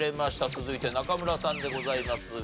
続いて中村さんでございますが。